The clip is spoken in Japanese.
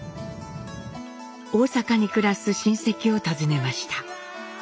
大阪に暮らす親戚を訪ねました。